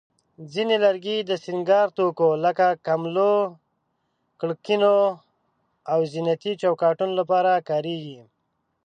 ځینې لرګي د سینګار توکو لکه کملو، کړکینو، او زینتي چوکاټونو لپاره کارېږي.